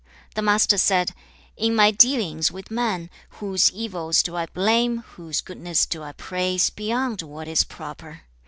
The Master said, 'In my dealings with men, whose evil do I blame, whose goodness do I praise, beyond what is proper?